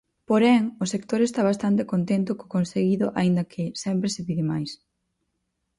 Porén, o sector está bastante contento co conseguido aínda que "sempre se pide máis".